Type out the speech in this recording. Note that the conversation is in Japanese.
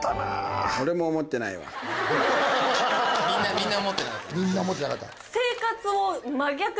みんな思ってなかった。